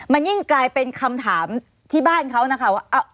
มันยิ่งกลายเป็นคำถามที่บ้านเขานะคะว่า